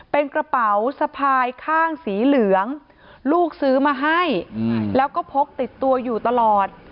เป็นกระเป๋าสะพายข้างสีเหลืองลูกซื้อมาให้แล้วก็พกติดตัวอยู่ตลอด